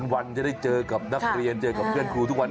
วันจะได้เจอกับนักเรียนเจอกับเพื่อนครูทุกวัน